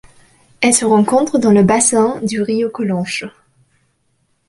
Elle se rencontre dans le bassin du río Colonche.